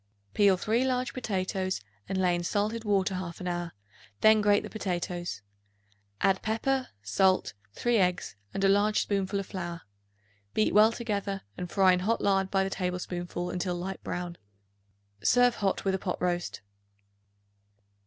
Peel 3 large potatoes and lay in salted water half an hour; then grate the potatoes; add pepper, salt, 3 eggs and a large spoonful of flour. Beat well together and fry in hot lard by the tablespoonful until light brown. Serve hot with a pot roast.